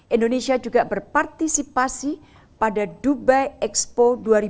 indonesia juga berpartisipasi pada dubai expo dua ribu dua puluh